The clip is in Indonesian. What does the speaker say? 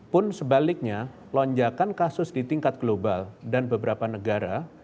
pun sebaliknya lonjakan kasus di tingkat global dan beberapa negara